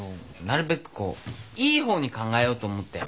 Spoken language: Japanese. なるべくこういいほうに考えようと思って。